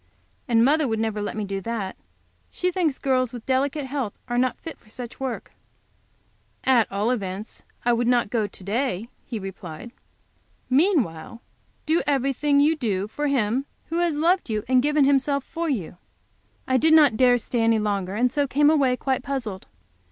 And mother would never let me do that. She thinks girls with delicate health are not fit for such work." "At all events I would not go to day," he replied. "Meanwhile do everything you do for Him who has loved you and given Himself for you." I did not dare to stay any longer, and so came away quite puzzled.